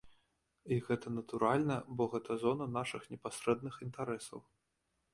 І гэта натуральна, бо гэта зона нашых непасрэдных інтарэсаў.